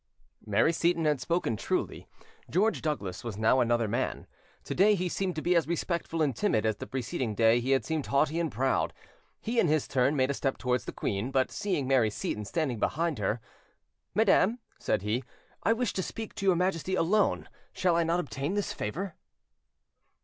Mary Seyton had spoken truly: George Douglas was now another man. To day he seemed to be as respectful and timid as the preceding day he had seemed haughty and proud. He, in his turn, made a step towards the queen; but seeing Mary Seyton standing behind her— "Madam," said he, "I wished to speak with your Majesty alone: shall I not obtain this favour?"